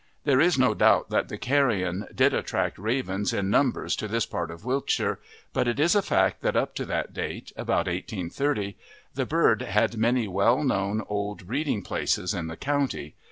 There is no doubt that the carrion did attract ravens in numbers to this part of Wiltshire, but it is a fact that up to that date about 1830 the bird had many well known, old breeding places in the county.